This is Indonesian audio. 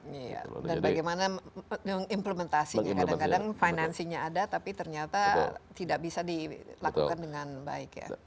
dan bagaimana implementasinya kadang kadang finansinya ada tapi ternyata tidak bisa dilakukan dengan baik ya